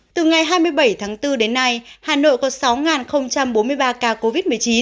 từ ngày hai mươi bảy tháng bốn đến nay hà nội có sáu bốn mươi ba ca covid một mươi chín